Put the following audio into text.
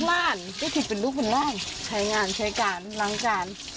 ทุกร่านได้ถิดเป็นลูกเป็นร่างใช้งานใช้การล้างการ